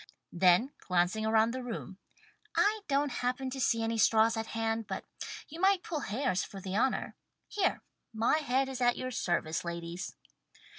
Then, glancing around the room "I don't happen to see any straws at hand, but you might pull hairs for the honour. Here! My head is at your service, ladies."